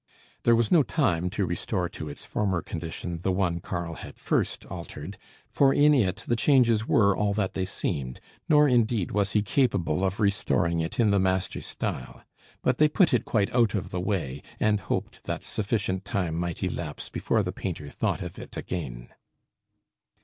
There was no time to restore to its former condition the one Karl had first altered; for in it the changes were all that they seemed; nor indeed was he capable of restoring it in the master's style; but they put it quite out of the way, and hoped that sufficient time might elapse before the painter thought of it again.